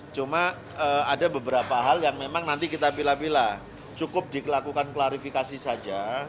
cuma ada beberapa hal yang memang nanti kita pilah pilah cukup dilakukan klarifikasi saja